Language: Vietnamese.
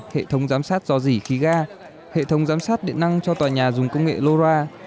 hệ thống giám sát do dỉ khí ga hệ thống giám sát điện năng cho tòa nhà dùng công nghệ lora